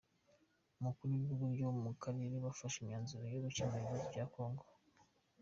Abakuru b’ibihugu byo mu Karere bafashe imyanzuro yo gukemura ikibazo cya Kongo